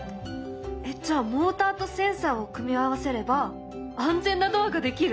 えっじゃあモーターとセンサーを組み合わせれば安全なドアが出来る？